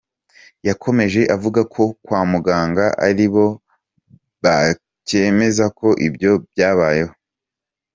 Yakomeje avuga ko kwa muganga aribo bakemeza ko ibyo byabayeho.